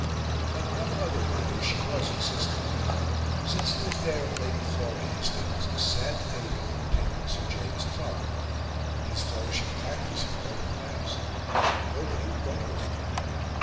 On one other matter she was insistent. Since the affair of Lady Flora Hastings, a sad fate had overtaken Sir James Clark. His flourishing practice had quite collapsed; nobody would go to him any more.